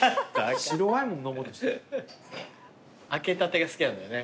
開けたてが好きなんだよね。